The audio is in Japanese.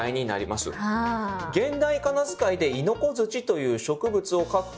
現代仮名遣いでイノコズチという植物を書くと。